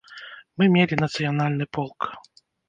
Мы мелі нацыянальны полк.